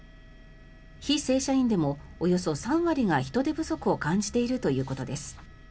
非正社員でもおよそ３割が人手不足を感じているということです。